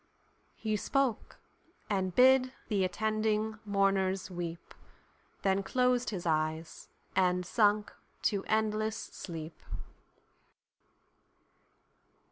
He spoke, and bid the attending mourners weep:Then closed his eyes, and sunk to endless sleep!